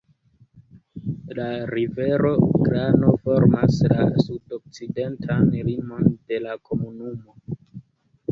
La rivero Glano formas la sudokcidentan limon de la komunumo.